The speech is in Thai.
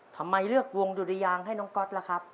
ทำไมเลือกวงดุรยางให้น้องก๊อตล่ะครับ